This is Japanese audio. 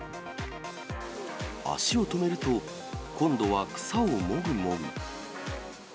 足を止めると、今度は草をもぐもぐ。